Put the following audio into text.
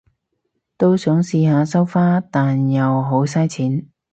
都想試下收花，但又好晒錢